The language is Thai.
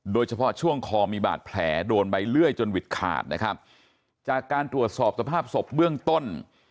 โดยเฉพาะช่วงคอมีบาดแผลโดนใบเลื่อยจนหวิดขาดนะครับจากการตรวจสอบสภาพศพเบื้องต้น